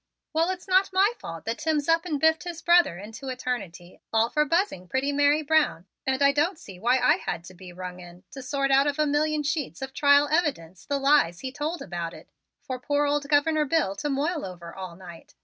"Well, it's not my fault that Timms up and biffed his brother into eternity all for buzzing pretty Mary Brown, and I don't see why I had to be rung in to sort out of a million sheets of trial evidence the lies he told about it, for poor old Governor Bill to moil over all night.